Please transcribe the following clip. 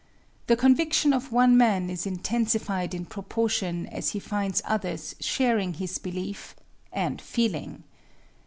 The conviction of one man is intensified in proportion as he finds others sharing his belief and feeling.